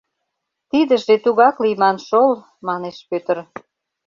— Тидыже тугак лийман шол, — манеш Пӧтыр.